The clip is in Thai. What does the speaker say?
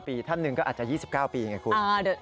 ๓๒๙ปีท่านหนึ่งก็อาจจะ๒๗ปีนะครู